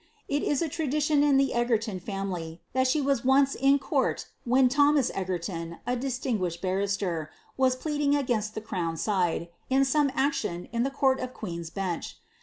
It is a tradition in the Elgerton family, that she was once in court when Thomas Egerton, a distinguished barrister, was pleading •gainsc the crown side, in some action in the court of Queen's Bench.